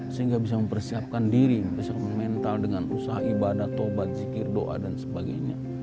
sehingga bisa mempersiapkan diri bisa mental dengan usaha ibadah taubat zikir doa dan sebagainya